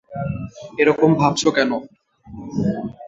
এরকম ভাবছো কেন?